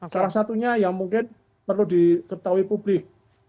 salah satunya yang mungkin perlu diketahui publik